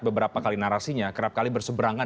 beberapa kali narasinya kerap kali berseberangan